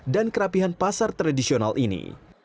dan kerapihan pasar tradisional ini